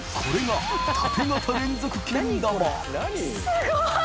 すごい！